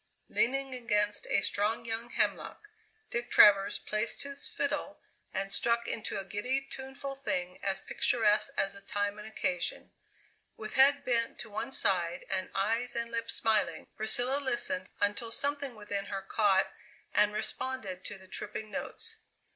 Leaning against a strong young hemlock, Dick Travers placed his fiddle and struck into a giddy, tuneful thing as picturesque as the time and occasion. With head bent to one side and eyes and lips smiling, Priscilla listened until something within her caught and responded to the tripping notes.